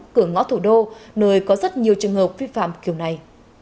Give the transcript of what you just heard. cửa ngõ thủ đô nơi có rất nhiều trường hợp vi phạm kiểu này